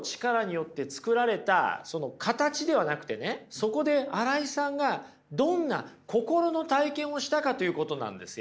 そこで新井さんがどんな心の体験をしたかということなんですよ。